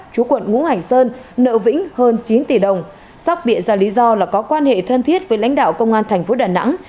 chú quận ngũ hành sơn nợ vĩnh hơn chín tỷ đồng sóc địa ra lý do là có quan hệ thân thiết với lãnh đạo công an thành phố đà nẵng